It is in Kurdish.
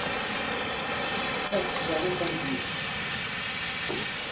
Heşt zarokan dilîst.